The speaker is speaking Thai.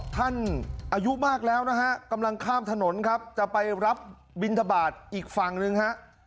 อายุมากแล้วนะฮะกำลังข้ามถนนครับจะไปรับบินทบาทอีกฝั่งหนึ่งฮะ